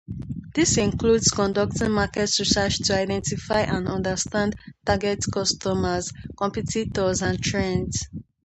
This includes conducting market research to identify and understand target customers, competitors, and trends.